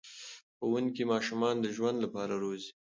ښوونکي ماشومان د ژوند لپاره روزي.